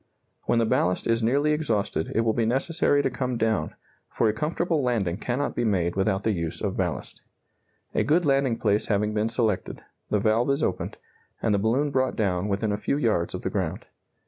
When the ballast is nearly exhausted it will be necessary to come down, for a comfortable landing cannot be made without the use of ballast. A good landing place having been selected, the valve is opened, and the balloon brought down within a few yards of the ground.